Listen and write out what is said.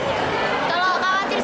istirahat cukup terus makannya juga teratur